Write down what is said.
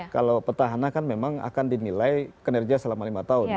kalau petahana kan memang akan dinilai kinerja selama lima tahun